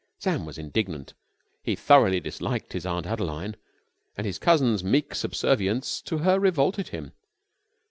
Sam was indignant. He thoroughly disliked his Aunt Adeline, and his cousin's meek subservience to her revolted him.